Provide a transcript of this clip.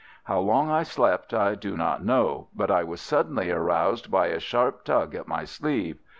How long I slept I do not know; but I was suddenly aroused by a sharp tug at my sleeve.